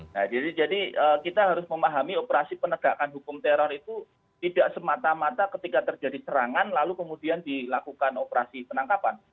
nah jadi kita harus memahami operasi penegakan hukum teror itu tidak semata mata ketika terjadi serangan lalu kemudian dilakukan operasi penangkapan